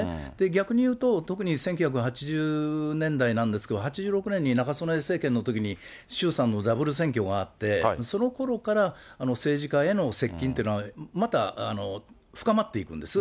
逆に言うと、特に１９８０年代なんですけれども、８６年に中曽根政権のときに、衆参のダブル選挙があって、そのころから政治家への接近っていうのは、また深まっていくんです。